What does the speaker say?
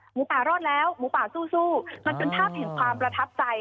หมูป่ารอดแล้วหมูป่าสู้มันเป็นภาพแห่งความประทับใจ